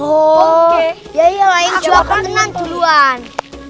oh ya ya lain jawabkan dengan duluan